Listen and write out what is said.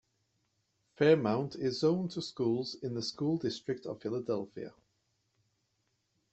Fairmount is zoned to schools in the School District of Philadelphia.